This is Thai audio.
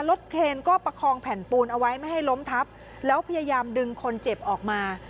เคนก็ประคองแผ่นปูนเอาไว้ไม่ให้ล้มทับแล้วพยายามดึงคนเจ็บออกมา